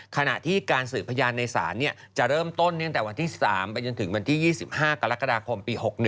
ขณะที่การสืบพยานในศาลจะเริ่มต้นตั้งแต่วันที่๓ไปจนถึงวันที่๒๕กรกฎาคมปี๖๑